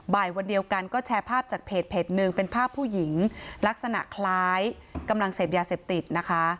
บ่ายวันเดียวกันก็แชร์ภาพจากเพจหนึ่งเป็นภาพผู้หญิงลักษณะคล้ายกำลังเสพยาเสพติดนะคะ